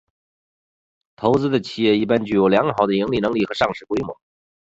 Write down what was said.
投资的企业一般具有很好的盈利能力和上市规模。